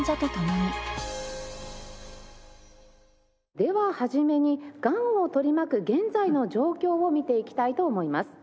では初めにがんを取り巻く現在の状況を見ていきたいと思います。